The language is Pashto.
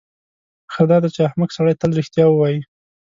ښه داده چې احمق سړی تل رښتیا ووایي.